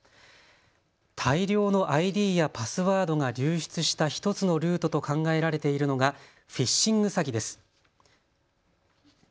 大量のＩＤやパスワードが流出した１つのルートと考えられているのがフィッシング詐欺です。